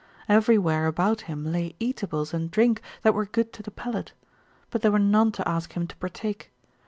Everywhere about him lay eatables and drink that were good to the palate; but there were none to ask him to partake.